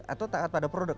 atau taat pada produk